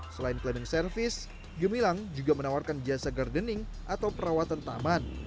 selain cleaning service gemilang juga menawarkan jasa gardening atau perawatan taman